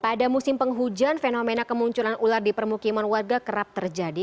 pada musim penghujan fenomena kemunculan ular di permukiman warga kerap terjadi